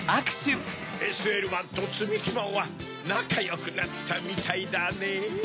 ＳＬマンとつみきまんはなかよくなったみたいだねぇ。